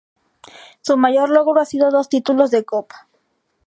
Su mayor logro ha sido dos títulos de copa.